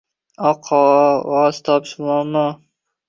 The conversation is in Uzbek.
Oq qog‘oz topish muammo.